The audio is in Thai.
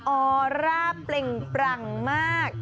ออร่าเปล่งปรั่งมาก